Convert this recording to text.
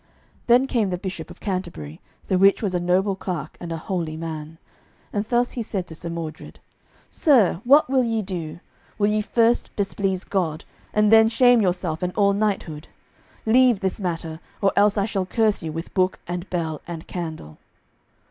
Then came the Bishop of Canterbury, the which was a noble clerk and an holy man, and thus he said to Sir Mordred: "Sir, what will ye do? Will ye first displease God, and then shame yourself and all knighthood? Leave this matter, or else I shall curse you with book and bell and candle."